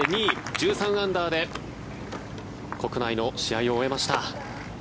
１３アンダーで国内の試合を終えました。